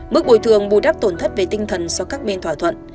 mức bồi thường bù đắp tổn thất về tinh thần do các bên thỏa thuận